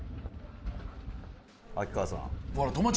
秋川さん。